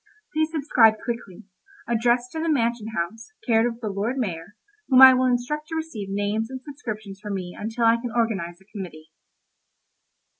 Please subscribe quickly. Address to the Mansion House, care of the Lord Mayor, whom I will instruct to receive names and subscriptions for me until I can organise a committee.